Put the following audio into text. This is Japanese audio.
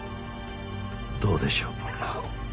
どうでしょう。